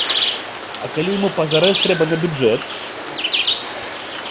А калі яму пазарэз трэба на бюджэт?